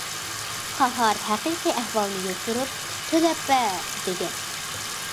قاھار ھەقىقىي ئەھۋالنى يوشۇرۇپ،‹‹ تۆلەپ بەر›› دېگەن.